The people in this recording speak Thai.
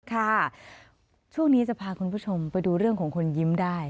ค่ะช่วงนี้จะพาคุณผู้ชมไปดูเรื่องของคนยิ้มได้